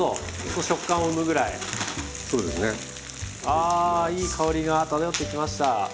あいい香りが漂ってきました。